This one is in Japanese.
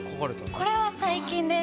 これは最近です。